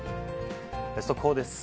速報です。